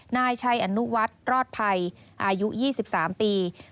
นายชัยอนุวัฒน์รอดภัยอายุ๒๓ปี